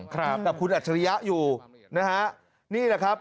กับคุณอัชริยะอยู่นี่แหละครับ